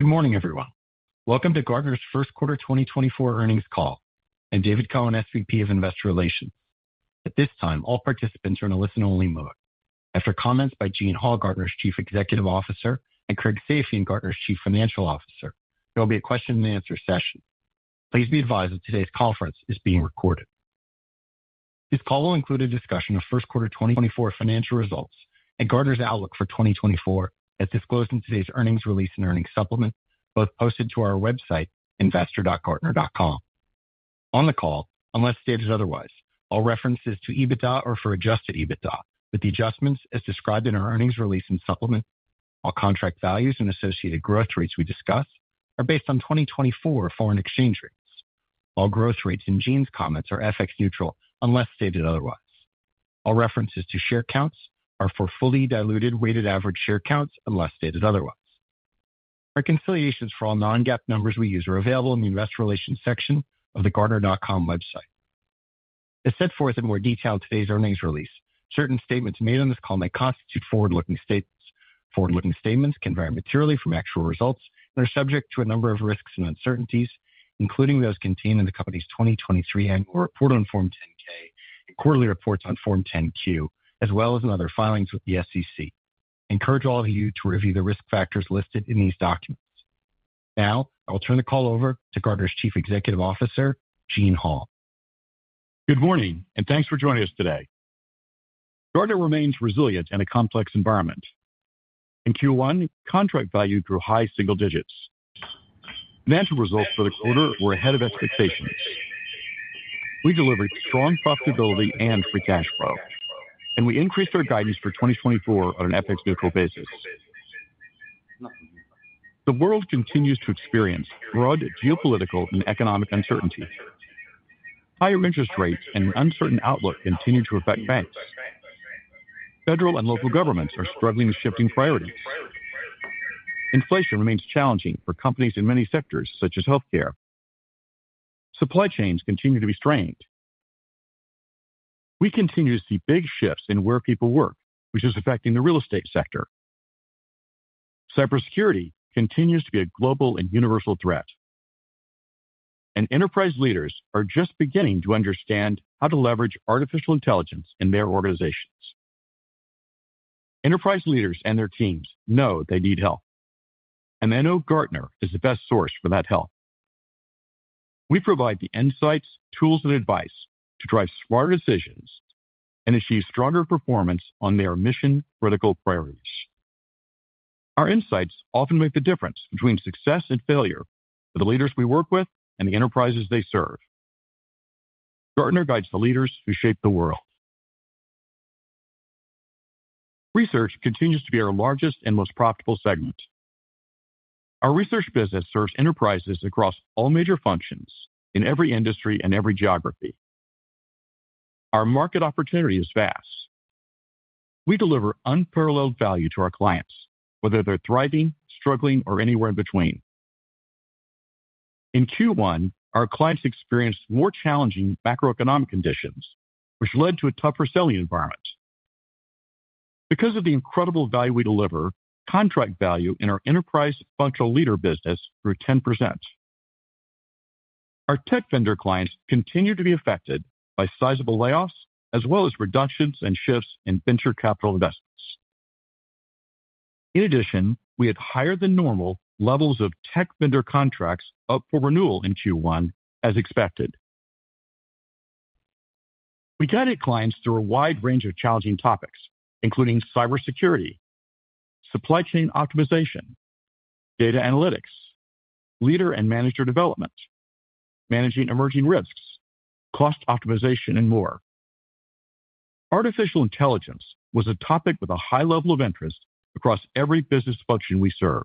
Good morning, everyone. Welcome to Gartner's First Quarter 2024 Earnings Call. I'm David Cohen, SVP of Investor Relations. At this time, all participants are in a listen-only mode. After comments by Gene Hall, Gartner's Chief Executive Officer, and Craig Safian, Gartner's Chief Financial Officer, there will be a question-and-answer session. Please be advised that today's conference is being recorded. This call will include a discussion of first quarter 2024 financial results and Gartner's outlook for 2024 as disclosed in today's earnings release and earnings supplement, both posted to our website, investor.gartner.com. On the call, unless stated otherwise, all references to EBITDA are for adjusted EBITDA, but the adjustments, as described in our earnings release and supplement, all contract values, and associated growth rates we discuss are based on 2024 foreign exchange rates. All growth rates and Gene's comments are FX-neutral unless stated otherwise. All references to share counts are for fully diluted weighted average share counts unless stated otherwise. Reconciliations for all non-GAAP numbers we use are available in the Investor Relations section of the Gartner.com website. As set forth in more detail in today's earnings release, certain statements made on this call may constitute forward-looking statements. Forward-looking statements can vary materially from actual results and are subject to a number of risks and uncertainties, including those contained in the company's 2023 annual report on Form 10-K and quarterly reports on Form 10-Q, as well as in other filings with the SEC. Encourage all of you to review the risk factors listed in these documents. Now I will turn the call over to Gartner's Chief Executive Officer, Gene Hall. Good morning, and thanks for joining us today. Gartner remains resilient in a complex environment. In Q1, contract value grew high single digits. Financial results for the quarter were ahead of expectations. We delivered strong profitability and free cash flow, and we increased our guidance for 2024 on an FX-neutral basis. The world continues to experience broad geopolitical and economic uncertainty. Higher interest rates and an uncertain outlook continue to affect banks. Federal and local governments are struggling with shifting priorities. Inflation remains challenging for companies in many sectors, such as healthcare. Supply chains continue to be strained. We continue to see big shifts in where people work, which is affecting the real estate sector. Cybersecurity continues to be a global and universal threat, and enterprise leaders are just beginning to understand how to leverage artificial intelligence in their organizations. Enterprise leaders and their teams know they need help, and they know Gartner is the best source for that help. We provide the insights, tools, and advice to drive smarter decisions and achieve stronger performance on their mission-critical priorities. Our insights often make the difference between success and failure for the leaders we work with and the enterprises they serve. Gartner guides the leaders who shape the world. Research continues to be our largest and most profitable segment. Our research business serves enterprises across all major functions in every industry and every geography. Our market opportunity is vast. We deliver unparalleled value to our clients, whether they're thriving, struggling, or anywhere in between. In Q1, our clients experienced more challenging macroeconomic conditions, which led to a tougher selling environment. Because of the incredible value we deliver, contract value in our enterprise functional leader business grew 10%. Our tech vendor clients continue to be affected by sizable layoffs, as well as reductions and shifts in venture capital investments. In addition, we had higher-than-normal levels of tech vendor contracts up for renewal in Q1, as expected. We guided clients through a wide range of challenging topics, including cybersecurity, supply chain optimization, data analytics, leader and manager development, managing emerging risks, cost optimization, and more. Artificial intelligence was a topic with a high level of interest across every business function we serve.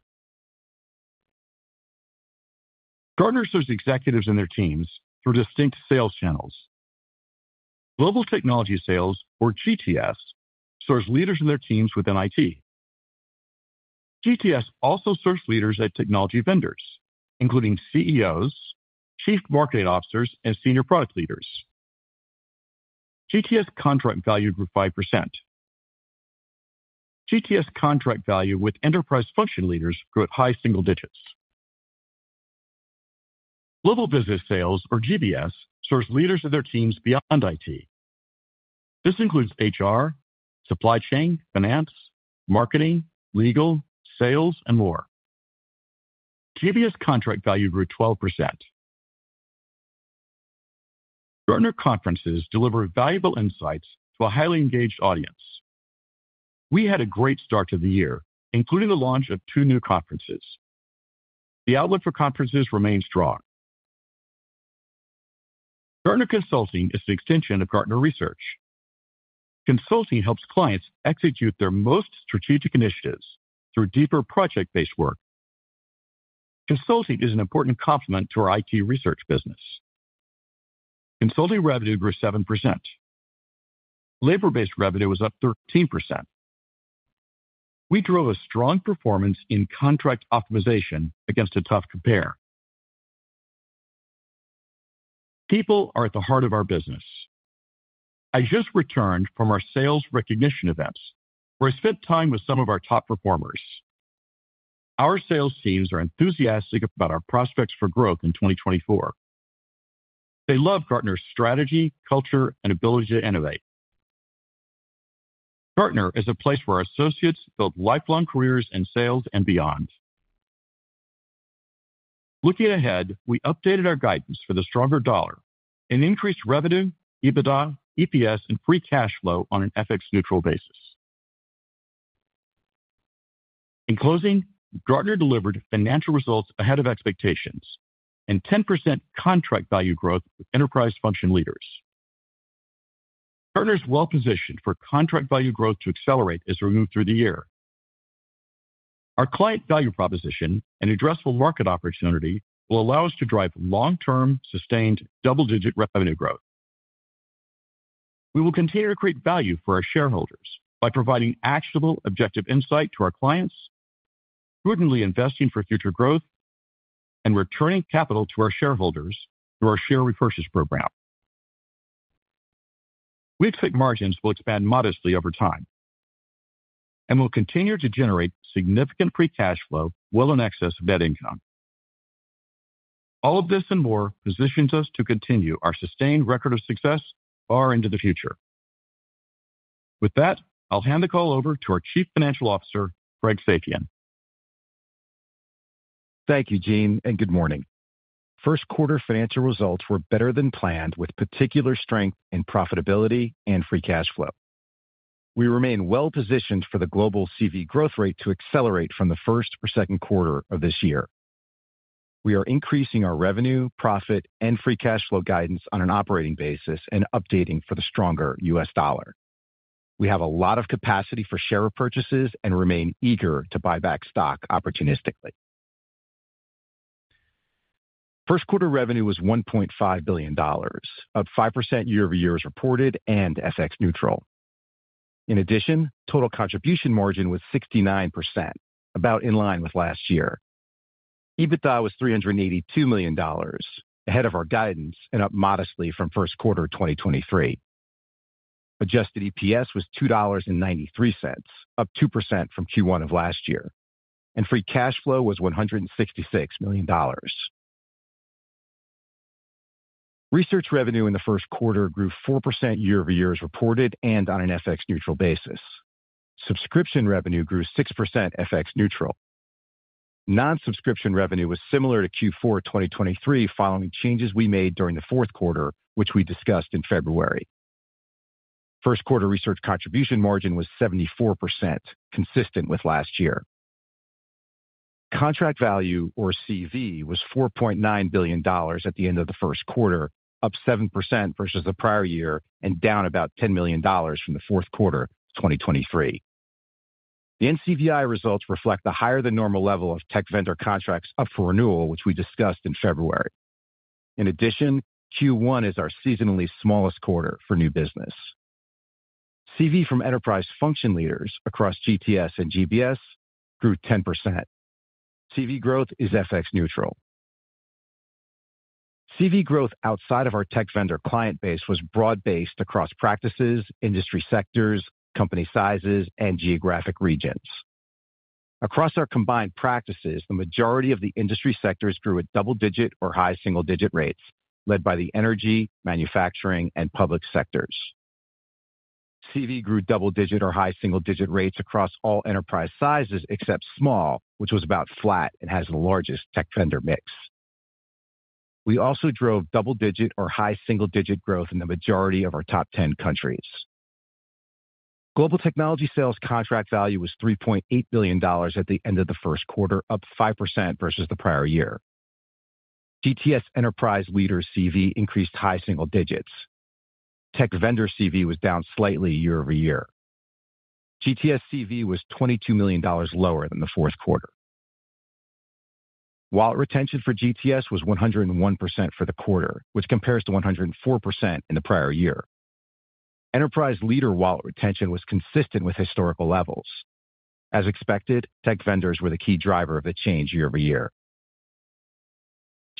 Gartner serves executives and their teams through distinct sales channels. Global Technology Sales, or GTS, serves leaders and their teams within IT. GTS also serves leaders at technology vendors, including CEOs, chief marketing officers, and senior product leaders. GTS contract value grew 5%. GTS contract value with enterprise function leaders grew at high single digits. Global Business Sales, or GBS, serves leaders and their teams beyond IT. This includes HR, supply chain, finance, marketing, legal, sales, and more. GBS contract value grew 12%. Gartner Conferences deliver valuable insights to a highly engaged audience. We had a great start to the year, including the launch of two new conferences. The outlook for conferences remains strong. Gartner Consulting is an extension of Gartner Research. Consulting helps clients execute their most strategic initiatives through deeper project-based work. Consulting is an important complement to our IT research business. Consulting revenue grew 7%. Labor-based revenue was up 13%. We drove a strong performance in contract optimization against a tough compare. People are at the heart of our business. I just returned from our sales recognition events, where I spent time with some of our top performers. Our sales teams are enthusiastic about our prospects for growth in 2024. They love Gartner's strategy, culture, and ability to innovate. Gartner is a place where our associates build lifelong careers in sales and beyond. Looking ahead, we updated our guidance for the stronger dollar and increased revenue, EBITDA, EPS, and free cash flow on an FX-neutral basis. In closing, Gartner delivered financial results ahead of expectations and 10% contract value growth with enterprise function leaders. Gartner's well-positioned for contract value growth to accelerate as we move through the year. Our client value proposition and addressable market opportunity will allow us to drive long-term, sustained double-digit revenue growth. We will continue to create value for our shareholders by providing actionable objective insight to our clients, prudently investing for future growth, and returning capital to our shareholders through our share repurchase program. We expect margins will expand modestly over time and will continue to generate significant free cash flow well in excess of net income. All of this and more positions us to continue our sustained record of success far into the future. With that, I'll hand the call over to our Chief Financial Officer, Craig Safian. Thank you, Gene, and good morning. First quarter financial results were better than planned, with particular strength in profitability and free cash flow. We remain well-positioned for the global CV growth rate to accelerate from the first or second quarter of this year. We are increasing our revenue, profit, and free cash flow guidance on an operating basis and updating for the stronger U.S. dollar. We have a lot of capacity for share repurchases and remain eager to buy back stock opportunistically. First quarter revenue was $1.5 billion, up 5% year-over-year as reported and FX-neutral. In addition, total contribution margin was 69%, about in line with last year. EBITDA was $382 million, ahead of our guidance and up modestly from first quarter 2023. Adjusted EPS was $2.93, up 2% from Q1 of last year, and free cash flow was $166 million. Research revenue in the first quarter grew 4% year-over-year as reported and on an FX-neutral basis. Subscription revenue grew 6% FX-neutral. Non-subscription revenue was similar to Q4 2023 following changes we made during the fourth quarter, which we discussed in February. First quarter research contribution margin was 74%, consistent with last year. Contract Value, or CV, was $4.9 billion at the end of the first quarter, up 7% versus the prior year and down about $10 million from the fourth quarter 2023. The NCVI results reflect a higher-than-normal level of tech vendor contracts up for renewal, which we discussed in February. In addition, Q1 is our seasonally smallest quarter for new business. CV from enterprise function leaders across GTS and GBS grew 10%. CV growth is FX-neutral. CV growth outside of our tech vendor client base was broad-based across practices, industry sectors, company sizes, and geographic regions. Across our combined practices, the majority of the industry sectors grew at double-digit or high single-digit rates, led by the energy, manufacturing, and public sectors. CV grew double-digit or high single-digit rates across all enterprise sizes except small, which was about flat and has the largest tech vendor mix. We also drove double-digit or high single-digit growth in the majority of our top 10 countries. Global Technology Sales contract value was $3.8 billion at the end of the first quarter, up 5% versus the prior year. GTS enterprise leader CV increased high single digits. Tech vendor CV was down slightly year-over-year. GTS CV was $22 million lower than the fourth quarter. Wallet retention for GTS was 101% for the quarter, which compares to 104% in the prior year. Enterprise leader wallet retention was consistent with historical levels. As expected, tech vendors were the key driver of the change year-over-year.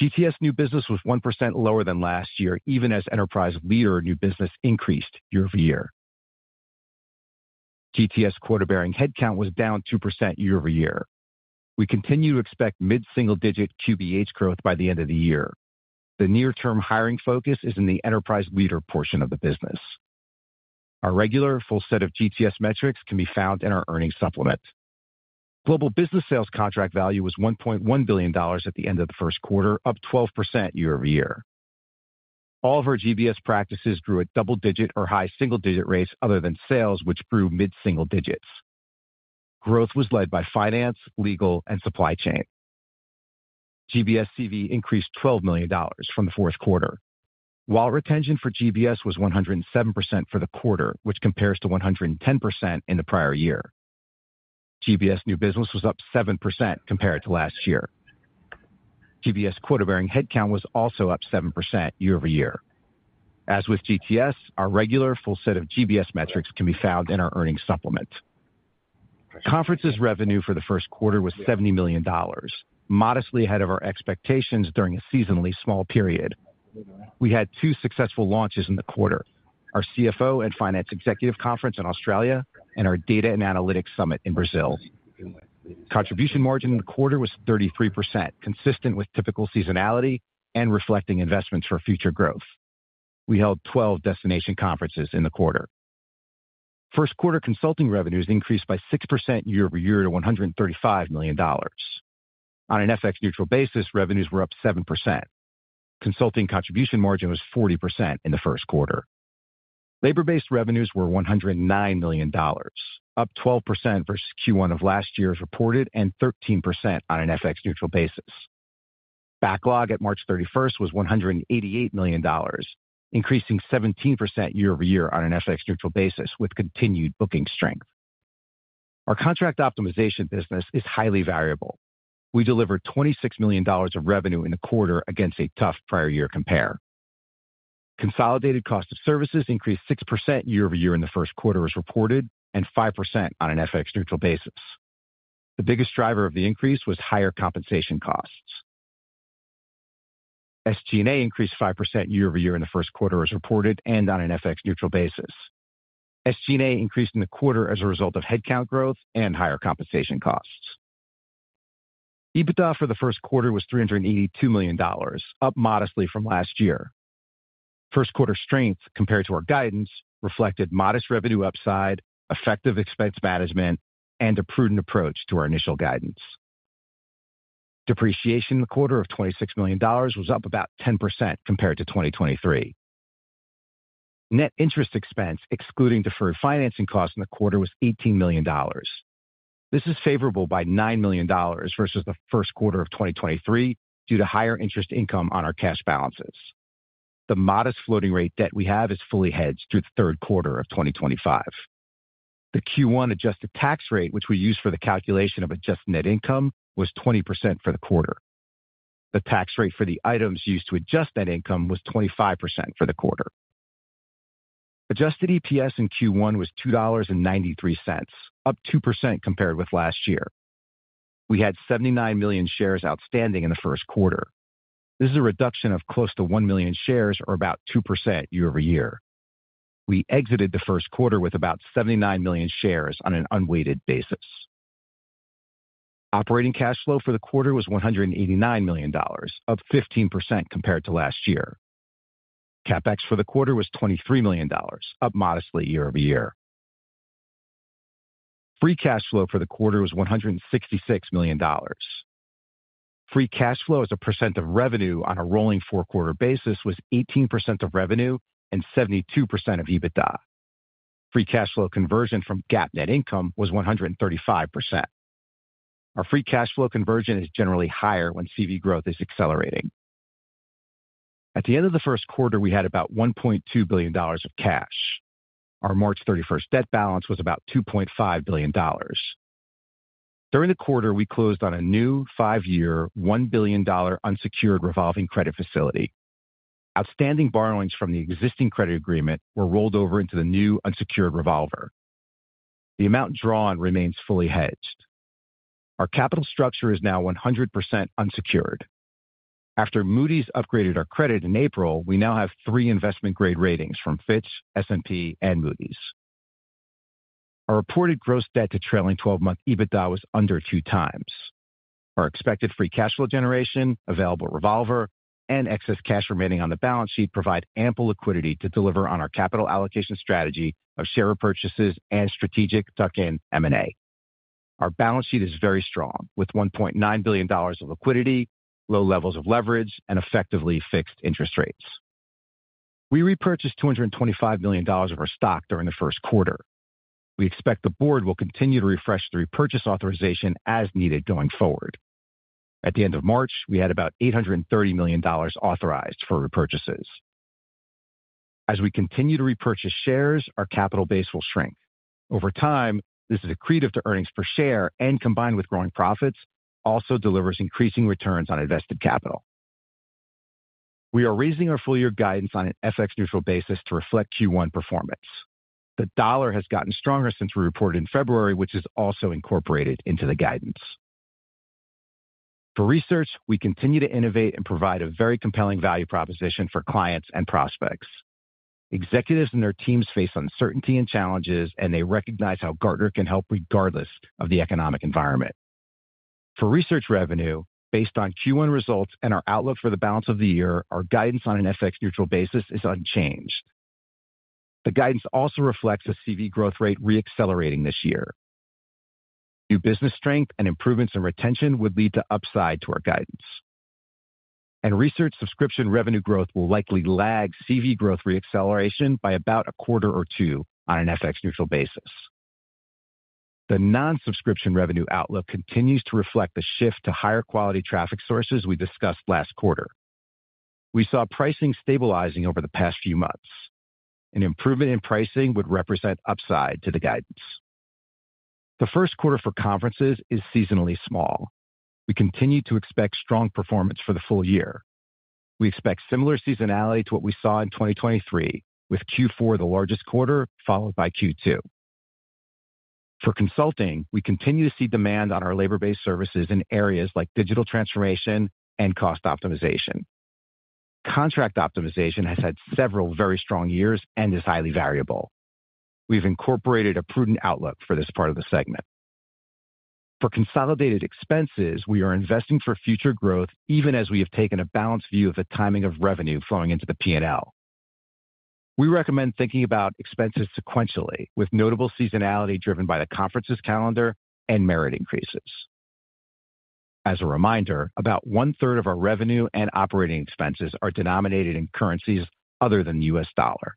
GTS new business was 1% lower than last year, even as enterprise leader new business increased year-over-year. GTS quota-bearing headcount was down 2% year-over-year. We continue to expect mid-single-digit QBH growth by the end of the year. The near-term hiring focus is in the enterprise leader portion of the business. Our regular, full set of GTS metrics can be found in our earnings supplement. Global Business Sales contract value was $1.1 billion at the end of the first quarter, up 12% year-over-year. All of our GBS practices grew at double-digit or high single-digit rates other than sales, which grew mid-single digits. Growth was led by finance, legal, and supply chain. GBS CV increased $12 million from the fourth quarter. Wallet retention for GBS was 107% for the quarter, which compares to 110% in the prior year. GBS new business was up 7% compared to last year. GBS quota-bearing headcount was also up 7% year-over-year. As with GTS, our regular, full set of GBS metrics can be found in our earnings supplement. Conferences revenue for the first quarter was $70 million, modestly ahead of our expectations during a seasonally small period. We had two successful launches in the quarter: our CFO and Finance Executive Conference in Australia and our Data and Analytics Summit in Brazil. Contribution margin in the quarter was 33%, consistent with typical seasonality and reflecting investments for future growth. We held 12 destination conferences in the quarter. First quarter consulting revenues increased by 6% year-over-year to $135 million. On an FX-neutral basis, revenues were up 7%. Consulting contribution margin was 40% in the first quarter. Labor-based revenues were $109 million, up 12% versus Q1 of last year as reported and 13% on an FX-neutral basis. Backlog at March 31st was $188 million, increasing 17% year-over-year on an FX-neutral basis with continued booking strength. Our contract optimization business is highly variable. We delivered $26 million of revenue in the quarter against a tough prior year compare. Consolidated cost of services increased 6% year-over-year in the first quarter as reported and 5% on an FX-neutral basis. The biggest driver of the increase was higher compensation costs. SG&A increased 5% year-over-year in the first quarter as reported and on an FX-neutral basis. SG&A increased in the quarter as a result of headcount growth and higher compensation costs. EBITDA for the first quarter was $382 million, up modestly from last year. First quarter strength compared to our guidance reflected modest revenue upside, effective expense management, and a prudent approach to our initial guidance. Depreciation in the quarter of $26 million was up about 10% compared to 2023. Net interest expense excluding deferred financing costs in the quarter was $18 million. This is favorable by $9 million versus the first quarter of 2023 due to higher interest income on our cash balances. The modest floating rate debt we have is fully hedged through the third quarter of 2025. The Q1 adjusted tax rate, which we use for the calculation of adjusted net income, was 20% for the quarter. The tax rate for the items used to adjust net income was 25% for the quarter. Adjusted EPS in Q1 was $2.93, up 2% compared with last year. We had 79 million shares outstanding in the first quarter. This is a reduction of close to 1 million shares or about 2% year-over-year. We exited the first quarter with about 79 million shares on an unweighted basis. Operating cash flow for the quarter was $189 million, up 15% compared to last year. CapEx for the quarter was $23 million, up modestly year-over-year. Free cash flow for the quarter was $166 million. Free cash flow as a percent of revenue on a rolling four-quarter basis was 18% of revenue and 72% of EBITDA. Free cash flow conversion from GAAP net income was 135%. Our free cash flow conversion is generally higher when CV growth is accelerating. At the end of the first quarter, we had about $1.2 billion of cash. Our March 31st debt balance was about $2.5 billion. During the quarter, we closed on a new five-year $1 billion unsecured revolving credit facility. Outstanding borrowings from the existing credit agreement were rolled over into the new unsecured revolver. The amount drawn remains fully hedged. Our capital structure is now 100% unsecured. After Moody's upgraded our credit in April, we now have three investment-grade ratings from Fitch, S&P, and Moody's. Our reported gross debt to trailing 12-month EBITDA was under 2x. Our expected free cash flow generation, available revolver, and excess cash remaining on the balance sheet provide ample liquidity to deliver on our capital allocation strategy of share repurchases and strategic tuck-in M&A. Our balance sheet is very strong, with $1.9 billion of liquidity, low levels of leverage, and effectively fixed interest rates. We repurchased $225 million of our stock during the first quarter. We expect the board will continue to refresh the repurchase authorization as needed going forward. At the end of March, we had about $830 million authorized for repurchases. As we continue to repurchase shares, our capital base will shrink. Over time, this accretive to earnings per share and combined with growing profits also delivers increasing returns on invested capital. We are raising our full-year guidance on an FX-neutral basis to reflect Q1 performance. The dollar has gotten stronger since we reported in February, which is also incorporated into the guidance. For research, we continue to innovate and provide a very compelling value proposition for clients and prospects. Executives and their teams face uncertainty and challenges, and they recognize how Gartner can help regardless of the economic environment. For research revenue, based on Q1 results and our outlook for the balance of the year, our guidance on an FX-neutral basis is unchanged. The guidance also reflects a CV growth rate reaccelerating this year. New business strength and improvements in retention would lead to upside to our guidance. Research subscription revenue growth will likely lag CV growth reacceleration by about a quarter or two on an FX-neutral basis. The non-subscription revenue outlook continues to reflect the shift to higher-quality traffic sources we discussed last quarter. We saw pricing stabilizing over the past few months. An improvement in pricing would represent upside to the guidance. The first quarter for conferences is seasonally small. We continue to expect strong performance for the full year. We expect similar seasonality to what we saw in 2023, with Q4 the largest quarter, followed by Q2. For consulting, we continue to see demand on our labor-based services in areas like digital transformation and cost optimization. Contract optimization has had several very strong years and is highly variable. We've incorporated a prudent outlook for this part of the segment. For consolidated expenses, we are investing for future growth even as we have taken a balanced view of the timing of revenue flowing into the P&L. We recommend thinking about expenses sequentially, with notable seasonality driven by the conferences calendar and merit increases. As a reminder, about one-third of our revenue and operating expenses are denominated in currencies other than the U.S. dollar.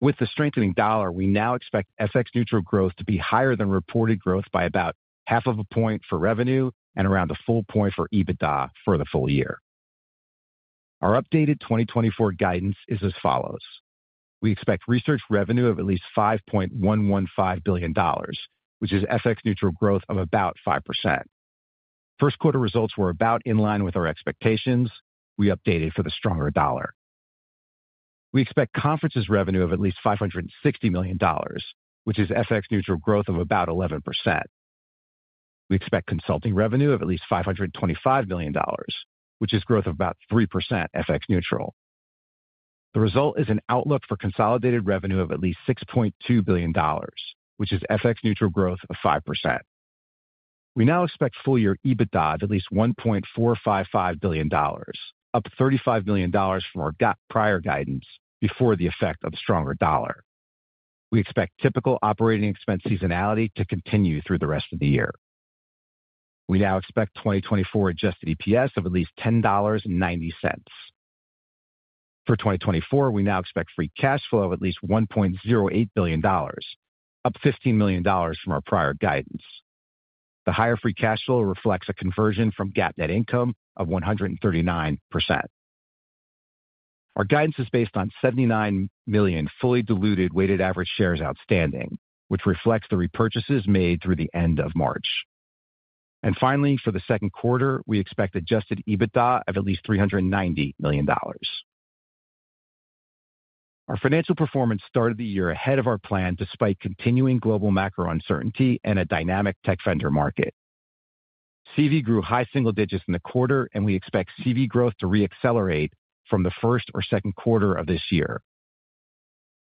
With the strengthening dollar, we now expect FX-neutral growth to be higher than reported growth by about half of a point for revenue and around a full point for EBITDA for the full year. Our updated 2024 guidance is as follows. We expect research revenue of at least $5.115 billion, which is FX-neutral growth of about 5%. First quarter results were about in line with our expectations. We updated for the stronger dollar. We expect conferences revenue of at least $560 million, which is FX-neutral growth of about 11%. We expect consulting revenue of at least $525 million, which is growth of about 3% FX-neutral. The result is an outlook for consolidated revenue of at least $6.2 billion, which is FX-neutral growth of 5%. We now expect full-year EBITDA of at least $1.455 billion, up $35 million from our prior guidance before the effect of the stronger dollar. We expect typical operating expense seasonality to continue through the rest of the year. We now expect 2024 adjusted EPS of at least $10.90. For 2024, we now expect free cash flow of at least $1.08 billion, up $15 million from our prior guidance. The higher free cash flow reflects a conversion from GAAP net income of 139%. Our guidance is based on 79 million fully diluted weighted average shares outstanding, which reflects the repurchases made through the end of March. Finally, for the second quarter, we expect adjusted EBITDA of at least $390 million. Our financial performance started the year ahead of our plan despite continuing global macro uncertainty and a dynamic tech vendor market. CV grew high single digits in the quarter, and we expect CV growth to reaccelerate from the first or second quarter of this year.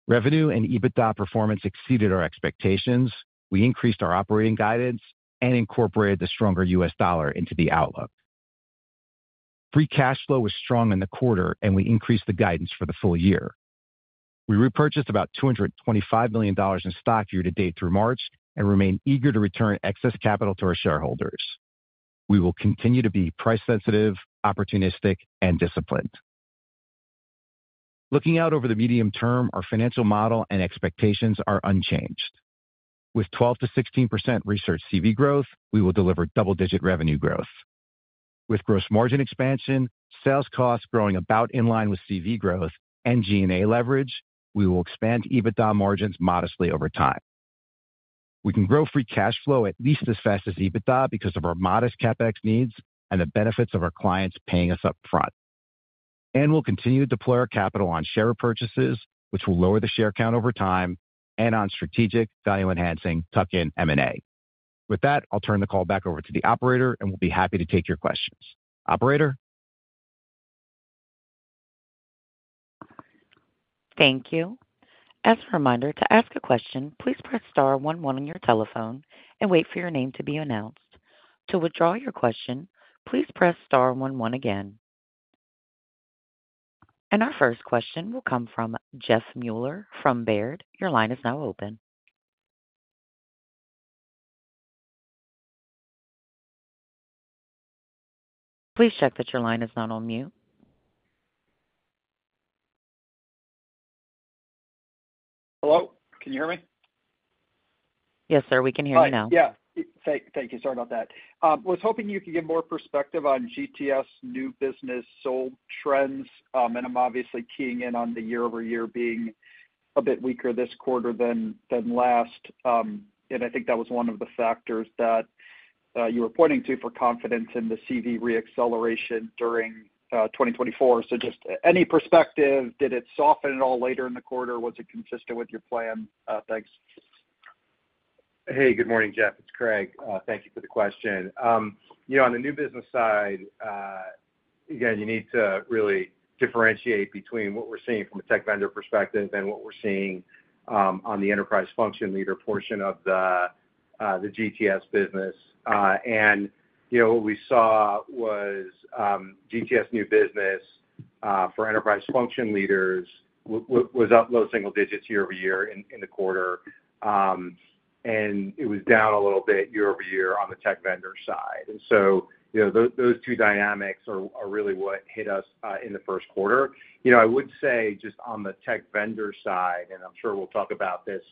Revenue and EBITDA performance exceeded our expectations. We increased our operating guidance and incorporated the stronger U.S. dollar into the outlook. Free cash flow was strong in the quarter, and we increased the guidance for the full year. We repurchased about $225 million in stock year to date through March and remain eager to return excess capital to our shareholders. We will continue to be price-sensitive, opportunistic, and disciplined. Looking out over the medium term, our financial model and expectations are unchanged. With 12%-16% research CV growth, we will deliver double-digit revenue growth. With gross margin expansion, sales costs growing about in line with CV growth, and G&A leverage, we will expand EBITDA margins modestly over time. We can grow free cash flow at least as fast as EBITDA because of our modest CapEx needs and the benefits of our clients paying us upfront. We'll continue to deploy our capital on share repurchases, which will lower the share count over time, and on strategic value-enhancing tuck-in M&A. With that, I'll turn the call back over to the operator, and we'll be happy to take your questions. Operator? Thank you. As a reminder, to ask a question, please press star one one on your telephone and wait for your name to be announced. To withdraw your question, please press star one one again. Our first question will come from Jeff Meuler from Baird. Your line is now open. Please check that your line is not on mute. Hello? Can you hear me? Yes, sir. We can hear you now. Yeah. Thank you. Sorry about that. I was hoping you could give more perspective on GTS new business sales trends. I'm obviously keying in on the year-over-year being a bit weaker this quarter than last. I think that was one of the factors that you were pointing to for confidence in the CV reacceleration during 2024. Just any perspective, did it soften at all later in the quarter? Was it consistent with your plan? Thanks. Hey, good morning, Jeff. It's Craig. Thank you for the question. On the new business side, again, you need to really differentiate between what we're seeing from a tech vendor perspective and what we're seeing on the enterprise function leader portion of the GTS business. And what we saw was GTS new business for enterprise function leaders was up low single digits year-over-year in the quarter, and it was down a little bit year-over-year on the tech vendor side. And so those two dynamics are really what hit us in the first quarter. I would say just on the tech vendor side, and I'm sure we'll talk about this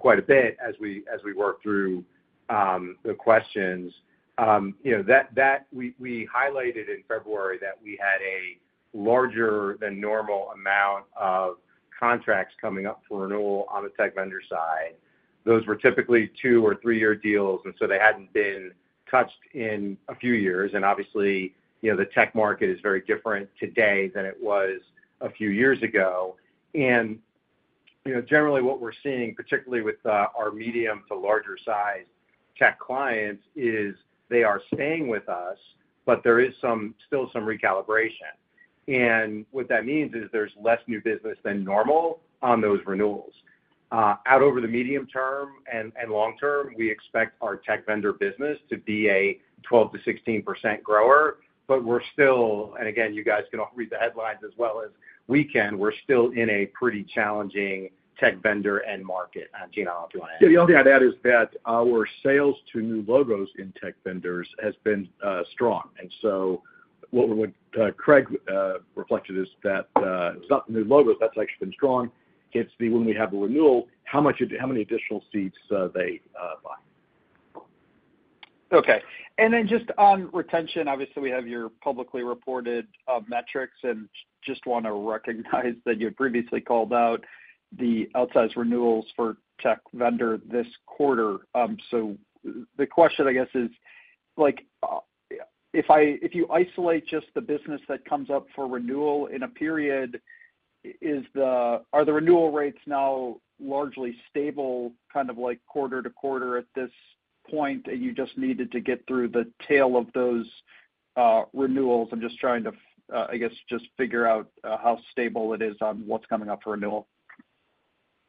quite a bit as we work through the questions, we highlighted in February that we had a larger than normal amount of contracts coming up for renewal on the tech vendor side. Those were typically two- or three-year deals, and so they hadn't been touched in a few years. Obviously, the tech market is very different today than it was a few years ago. Generally, what we're seeing, particularly with our medium- to larger-sized tech clients, is they are staying with us, but there is still some recalibration. And what that means is there's less new business than normal on those renewals. Over the medium term and long term, we expect our tech vendor business to be a 12%-16% grower. But we're still, and again, you guys can all read the headlines as well as we can. We're still in a pretty challenging tech vendor end market. Gene Hall, do you want to add? Yeah. The only thing I'd add is that our sales to new logos in tech vendors has been strong. And so what Craig reflected is that it's not the new logos. That's actually been strong. It's the when we have a renewal, how many additional seats they buy. Okay. And then just on retention, obviously, we have your publicly reported metrics. And just want to recognize that you had previously called out the outsized renewals for tech vendor this quarter. So the question, I guess, is if you isolate just the business that comes up for renewal in a period, are the renewal rates now largely stable kind of quarter to quarter at this point, and you just needed to get through the tail of those renewals? I'm just trying to, I guess, just figure out how stable it is on what's coming up for renewal.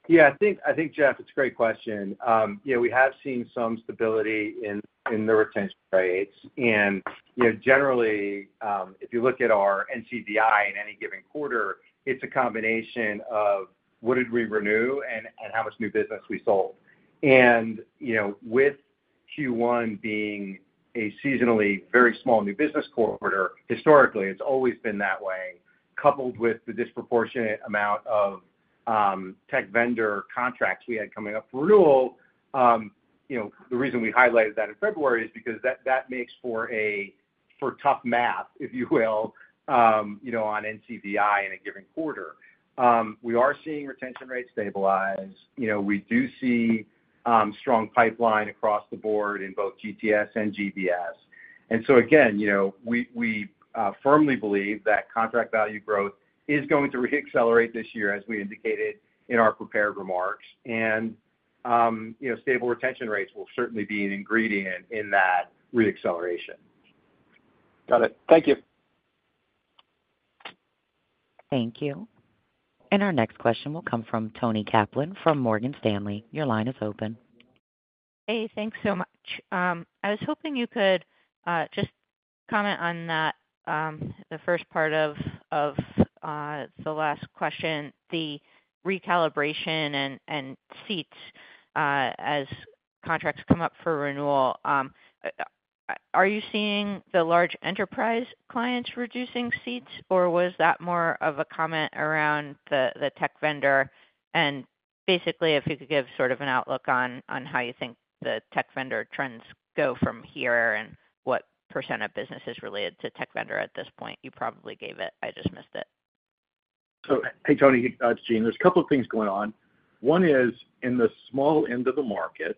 Yeah. I think, Jeff, it's a great question. We have seen some stability in the retention rates. And generally, if you look at our NCVI in any given quarter, it's a combination of what did we renew and how much new business we sold. And with Q1 being a seasonally very small new business quarter, historically, it's always been that way. Coupled with the disproportionate amount of tech vendor contracts we had coming up for renewal, the reason we highlighted that in February is because that makes for tough math, if you will, on NCVI in a given quarter. We are seeing retention rates stabilize. We do see strong pipeline across the board in both GTS and GBS. And so again, we firmly believe that contract value growth is going to reaccelerate this year, as we indicated in our prepared remarks. Stable retention rates will certainly be an ingredient in that reacceleration. Got it. Thank you. Thank you. Our next question will come from Toni Kaplan from Morgan Stanley. Your line is open. Hey. Thanks so much. I was hoping you could just comment on the first part of the last question, the recalibration and seats as contracts come up for renewal. Are you seeing the large enterprise clients reducing seats, or was that more of a comment around the tech vendor? And basically, if you could give sort of an outlook on how you think the tech vendor trends go from here and what % of business is related to tech vendor at this point, you probably gave it. I just missed it. So hey, Toni. It's Gene. There's a couple of things going on. One is in the small end of the market,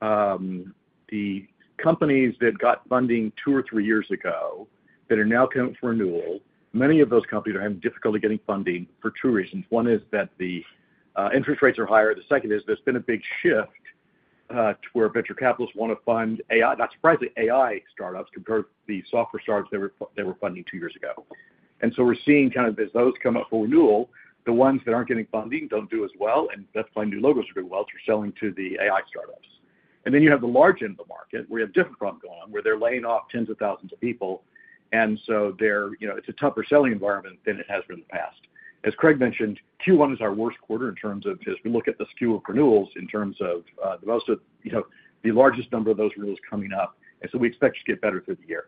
the companies that got funding two or three years ago that are now coming for renewal. Many of those companies are having difficulty getting funding for two reasons. One is that the interest rates are higher. The second is there's been a big shift to where venture capitalists want to fund AI, not surprisingly, AI startups compared to the software startups they were funding two years ago. And so we're seeing kind of as those come up for renewal, the ones that aren't getting funding don't do as well. And that's why new logos are doing well. They're selling to the AI startups. And then you have the large end of the market where you have a different problem going on, where they're laying off tens of thousands of people. And so it's a tougher selling environment than it has been in the past. As Craig mentioned, Q1 is our worst quarter in terms of as we look at the skew of renewals in terms of the largest number of those renewals coming up. And so we expect to get better through the year.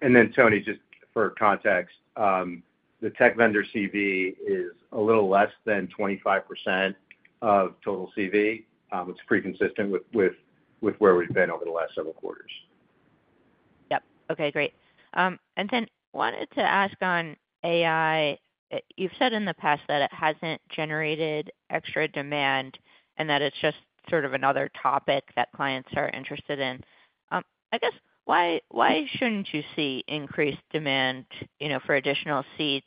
Then, Toni, just for context, the tech vendor CV is a little less than 25% of total CV. It's pretty consistent with where we've been over the last several quarters. Yep. Okay. Great. And then wanted to ask on AI. You've said in the past that it hasn't generated extra demand and that it's just sort of another topic that clients are interested in. I guess, why shouldn't you see increased demand for additional seats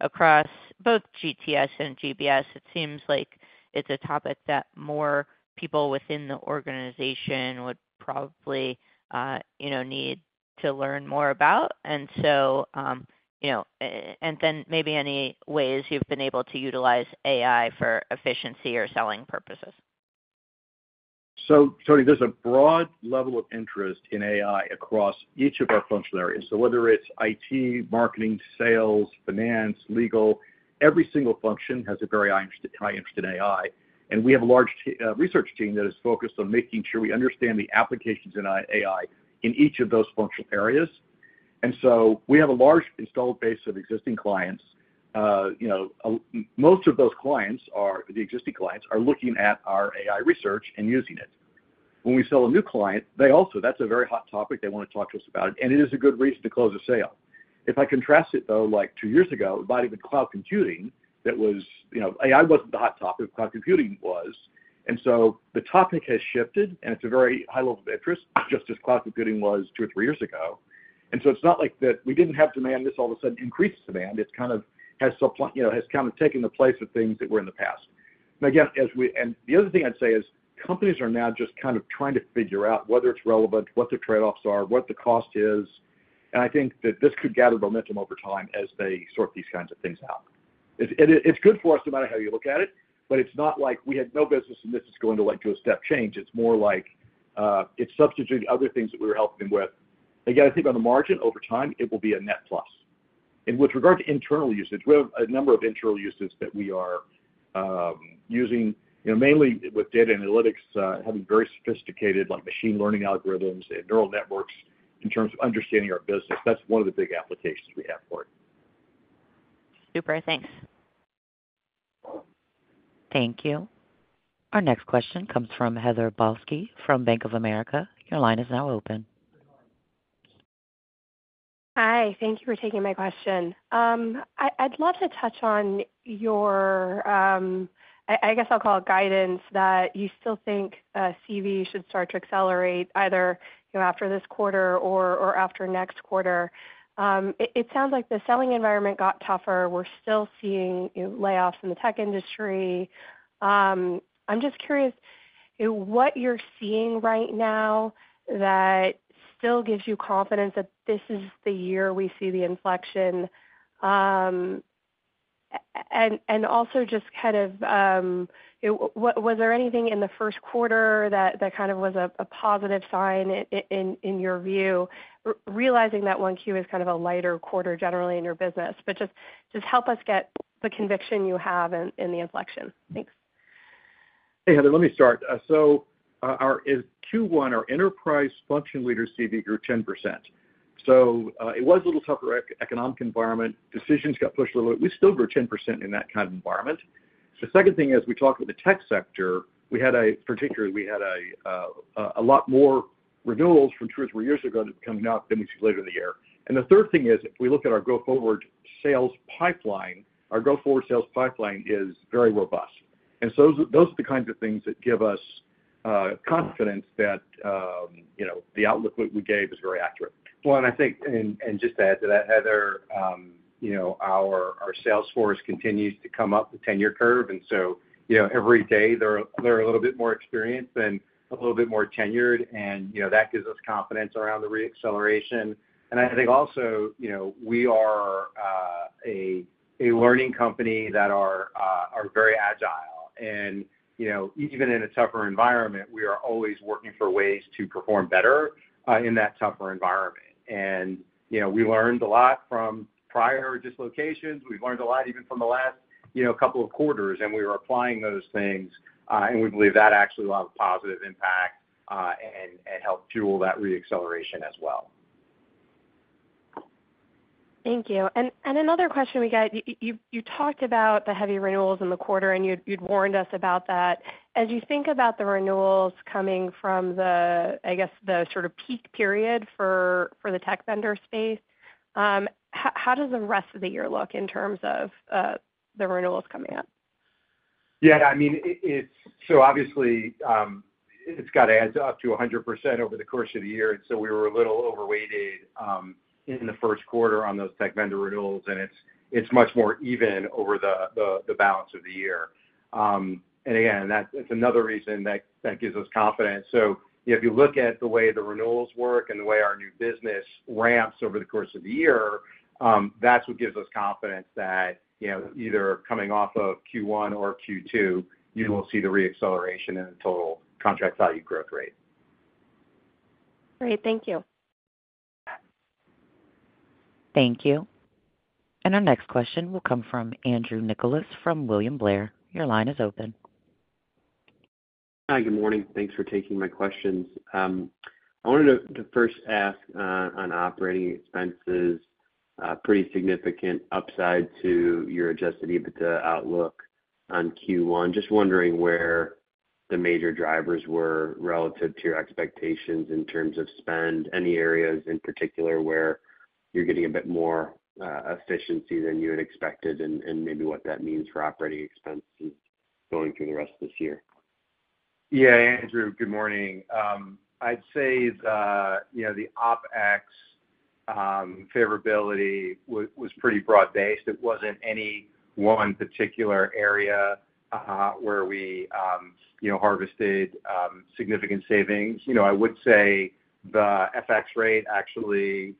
across both GTS and GBS? It seems like it's a topic that more people within the organization would probably need to learn more about. And then maybe any ways you've been able to utilize AI for efficiency or selling purposes. So, Toni, there's a broad level of interest in AI across each of our functional areas. So whether it's IT, marketing, sales, finance, legal, every single function has a very high interest in AI. And we have a large research team that is focused on making sure we understand the applications in AI in each of those functional areas. And so we have a large installed base of existing clients. Most of those clients, the existing clients, are looking at our AI research and using it. When we sell a new client, that's a very hot topic. They want to talk to us about it. And it is a good reason to close a sale. If I contrast it, though, two years ago, it might have been cloud computing that was. AI wasn't the hot topic. Cloud computing was. The topic has shifted, and it's a very high level of interest, just as cloud computing was two or three years ago. It's not like that we didn't have demand. This all of a sudden increased demand. It kind of has kind of taken the place of things that were in the past. And again, and the other thing I'd say is companies are now just kind of trying to figure out whether it's relevant, what the trade-offs are, what the cost is. I think that this could gather momentum over time as they sort these kinds of things out. It's good for us no matter how you look at it, but it's not like we had no business, and this is going to lead to a step change. It's more like it's substituted other things that we were helping them with. Again, I think on the margin, over time, it will be a net plus. With regard to internal usage, we have a number of internal uses that we are using, mainly with data analytics, having very sophisticated machine learning algorithms and neural networks in terms of understanding our business. That's one of the big applications we have for it. Super. Thanks. Thank you. Our next question comes from Heather Balsky from Bank of America. Your line is now open. Hi. Thank you for taking my question. I'd love to touch on your, I guess I'll call it guidance, that you still think CV should start to accelerate either after this quarter or after next quarter. It sounds like the selling environment got tougher. We're still seeing layoffs in the tech industry. I'm just curious what you're seeing right now that still gives you confidence that this is the year we see the inflection. And also just kind of was there anything in the first quarter that kind of was a positive sign in your view, realizing that 1Q is kind of a lighter quarter generally in your business? But just help us get the conviction you have in the inflection. Thanks. Hey, Heather. Let me start. So, in Q1 our enterprise function leader CV grew 10%. So it was a little tougher economic environment. Decisions got pushed a little bit. We still grew 10% in that kind of environment. The second thing is we talked about the tech sector. Particularly, we had a lot more renewals from two or three years ago that were coming up than we see later in the year. The third thing is if we look at our growth forward sales pipeline, our growth forward sales pipeline is very robust. So those are the kinds of things that give us confidence that the outlook we gave is very accurate. Well, and I think, and just to add to that, Heather, our sales force continues to come up the tenure curve. And so every day, they're a little bit more experienced and a little bit more tenured. And that gives us confidence around the reacceleration. And I think also, we are a learning company that are very agile. And even in a tougher environment, we are always working for ways to perform better in that tougher environment. And we learned a lot from prior dislocations. We've learned a lot even from the last couple of quarters. And we were applying those things. And we believe that actually allowed a positive impact and helped fuel that reacceleration as well. Thank you. Another question we got, you talked about the heavy renewals in the quarter, and you'd warned us about that. As you think about the renewals coming from, I guess, the sort of peak period for the tech vendor space, how does the rest of the year look in terms of the renewals coming up? Yeah. I mean, so obviously, it's got to add up to 100% over the course of the year. We were a little overweighted in the first quarter on those tech vendor renewals. It's much more even over the balance of the year. Again, that's another reason that gives us confidence. If you look at the way the renewals work and the way our new business ramps over the course of the year, that's what gives us confidence that either coming off of Q1 or Q2, you will see the reacceleration in the total contract value growth rate. Great. Thank you. Thank you. Our next question will come from Andrew Nicholas from William Blair. Your line is open. Hi. Good morning. Thanks for taking my questions. I wanted to first ask on operating expenses, pretty significant upside to your Adjusted EBITDA outlook on Q1. Just wondering where the major drivers were relative to your expectations in terms of spend, any areas in particular where you're getting a bit more efficiency than you had expected, and maybe what that means for operating expenses going through the rest of this year? Yeah. Andrew, good morning. I'd say the OpEx favorability was pretty broad-based. It wasn't any one particular area where we harvested significant savings. I would say the FX rate actually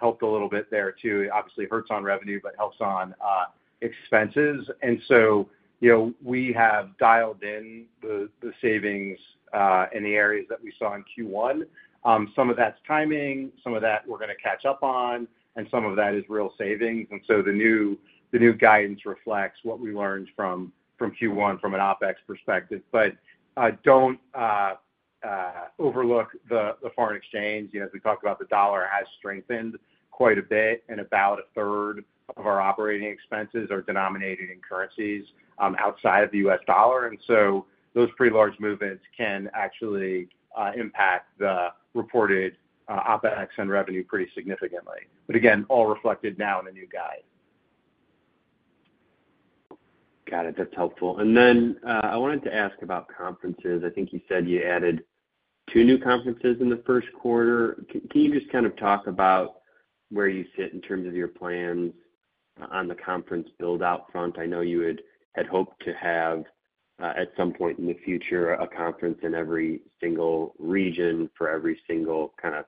helped a little bit there too. It obviously hurts on revenue, but helps on expenses. And so we have dialed in the savings in the areas that we saw in Q1. Some of that's timing. Some of that we're going to catch up on. And some of that is real savings. And so the new guidance reflects what we learned from Q1 from an OpEx perspective. But don't overlook the foreign exchange. As we talked about, the dollar has strengthened quite a bit. And about a third of our operating expenses are denominated in currencies outside of the U.S. dollar. And so those pretty large movements can actually impact the reported OpEx and revenue pretty significantly. But again, all reflected now in the new guide. Got it. That's helpful. Then I wanted to ask about conferences. I think you said you added two new conferences in the first quarter. Can you just kind of talk about where you sit in terms of your plans on the conference build-out front? I know you had hoped to have at some point in the future a conference in every single region for every single kind of